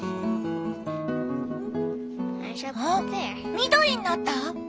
緑になった？